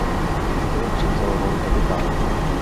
I zde převzal roli kapitána.